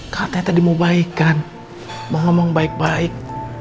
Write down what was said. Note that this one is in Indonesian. katanya tadi mau baikkan mau ngomong baik baik